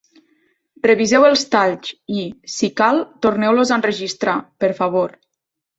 Reviseu els talls i, si cal, torneu-los a enregistrar, per favor.